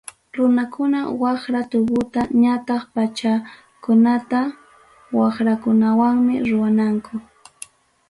Runakuna waqra tubuta ñataq pachakunata waqrakunawanmi ruwananku.